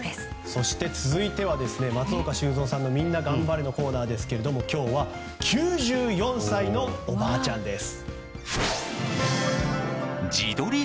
そして続いては松岡修造さんのみんながん晴れのコーナーですけども今日は９４歳のおばあちゃんです。